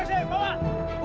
udah hajar aja